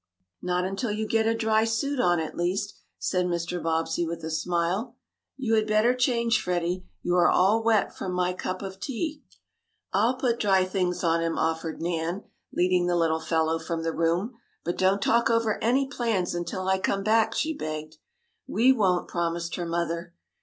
"Not until you get a dry suit on, at least," said Mr. Bobbsey with a smile. "You had better change, Freddie. You are all wet from my cup of tea." "I'll put dry things on him," offered Nan, leading the little fellow from the room. "But don't talk over any plans until I come back," she begged. "We won't," promised her mother.